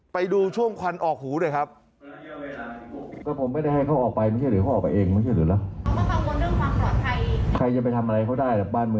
ไปดูช่วงควันออกหูหน่อยครับ